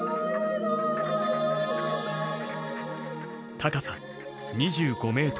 高さ２５ｍ。